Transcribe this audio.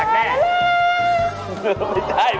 แดกแดว